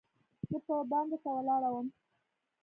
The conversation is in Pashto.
زه په بام درته ولاړه وم